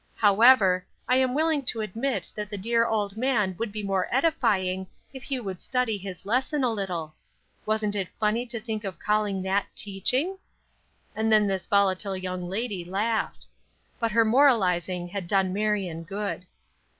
However, I am willing to admit that the dear old man would be more edifying if he would study his lesson a little. Wasn't it funny to think of calling that 'teaching?'" And then this volatile young lady laughed. But her moralizing had done Marion good.